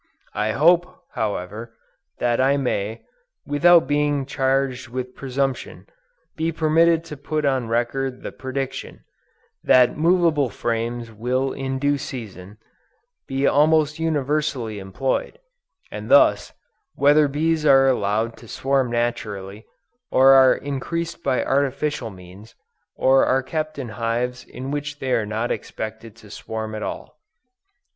I hope, however, that I may, without being charged with presumption, be permitted to put on record the prediction, that movable frames will in due season, be almost universally employed; and this, whether bees are allowed to swarm naturally, or are increased by artificial means, or are kept in hives in which they are not expected to swarm at all.